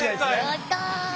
やった。